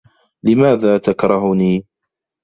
لماذا تكرهني؟